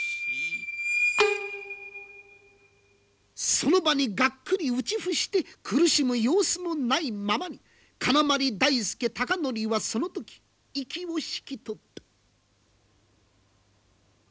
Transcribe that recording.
その場にがっくり打ち伏して苦しむ様子もないままに金碗大助孝徳はその時息を引き取った。